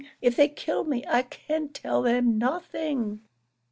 If they kill me, I can tell them nothing."